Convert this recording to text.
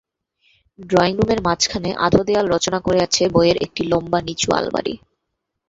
ড্রয়িংরুমের মাঝখানে আধো দেয়াল রচনা করে আছে বইয়ের একটি লম্বা নিচু আলমারি।